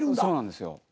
そうなんですよ。